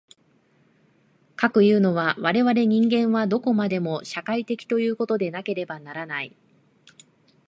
かくいうのは、我々人間はどこまでも社会的ということでなければならない。